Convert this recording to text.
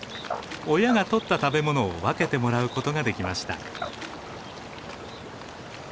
親が捕った食べ物を分けてもらうことができました。